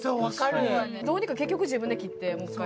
どうにか結局自分で切ってもう一回。